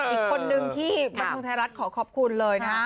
อีกคนนึงที่บันทึงไทยรัฐขอขอบคุณเลยนะ